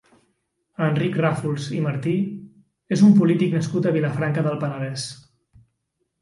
Enric Ràfols i Martí és un polític nascut a Vilafranca del Penedès.